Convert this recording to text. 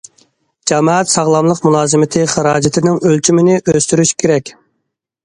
جامائەت ساغلاملىق مۇلازىمىتى خىراجىتىنىڭ ئۆلچىمىنى ئۆستۈرۈش كېرەك.